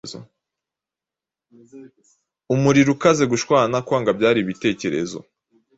Umuriro ukaze gushwana-kwanga byari ibitekerezo